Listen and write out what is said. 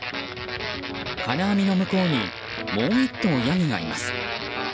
金網の向こうにもう１頭ヤギがいます。